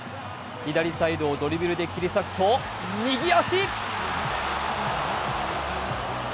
左サイドをドリブルで切り裂くと右足！